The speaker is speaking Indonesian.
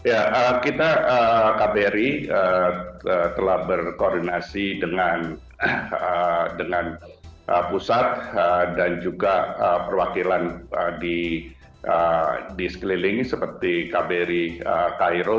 ya kita kbri telah berkoordinasi dengan pusat dan juga perwakilan di sekeliling seperti kbri cairo